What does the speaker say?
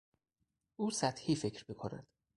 او سطحی فکر میکند.